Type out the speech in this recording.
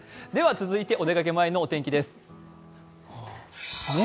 続いて、お出かけ前のお天気です。